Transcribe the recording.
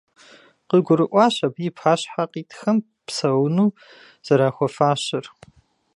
КъыгурыӀуащ абы и пащхьэ къитхэм псэуну зэрахуэфащэр.